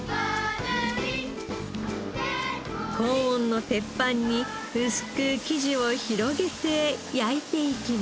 高温の鉄板に薄く生地を広げて焼いていきます。